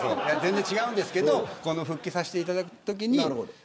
全然違うんですけど復帰させていただくときに。